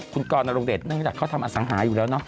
คุณกรนรงเดชเนื่องจากเขาทำอสังหาอยู่แล้วเนอ